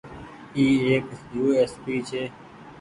اي ايڪ يو ايس پي ڇي۔